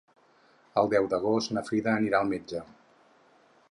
El deu d'agost na Frida anirà al metge.